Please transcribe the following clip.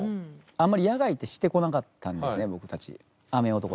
あんまり野外ってしてこなかったんですね僕たち。